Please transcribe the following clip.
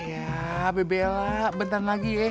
ya bebe ella bentaran lagi ya